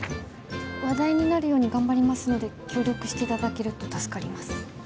話題になるように頑張りますので協力していただけると助かります